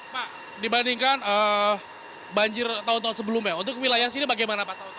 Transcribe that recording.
pak dibandingkan banjir tahun tahun sebelumnya untuk wilayah sini bagaimana pak tau